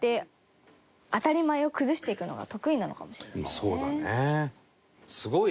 そうだね。